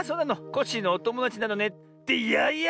コッシーのおともだちなのね。ってやや！